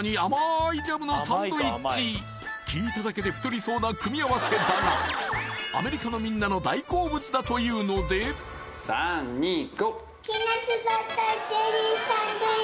聞いただけで太りそうな組み合わせだがアメリカのみんなの大好物だというのでサンニゴー！